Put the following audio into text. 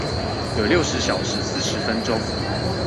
有六十小時四十分鐘